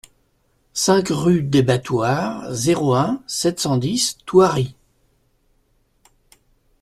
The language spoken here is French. cinq rue des Battoirs, zéro un, sept cent dix, Thoiry